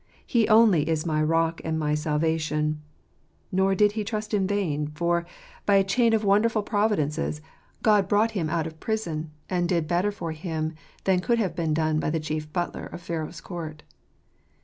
He only is my rock and my salvation." Nor did he trust in vain ; for, by a chain of wonderful "tifco&e ysz tom 6r providences, God brought him out of prison, and did better for him than could have been done by the chief butler of Pharaoh's court.